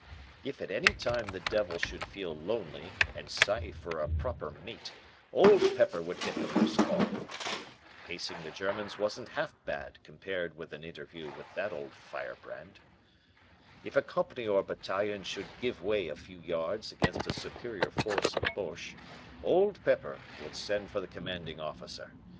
If at any time the devil should feel lonely, and sigh for a proper mate, Old Pepper would get the first call. Pacing the Germans wasn't half bad compared with an interview with that old firebrand. "If a company or battalion should give way a few yards against a superior force of Boches, Old Pepper would send for the commanding officer.